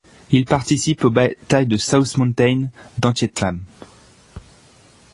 Il participe aux batailles de South Mountain, d'Antietam.